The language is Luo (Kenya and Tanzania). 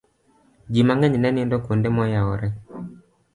ji mang'eny ne nindo kuonde moyawore